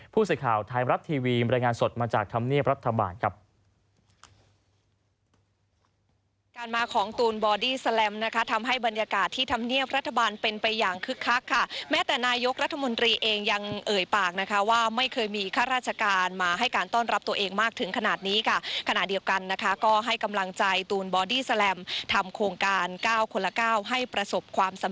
ผู้สื่อข่าวไทยรัฐทีวีบรรยายงานสดมาจากธรรมเนียบรัฐบาลครับ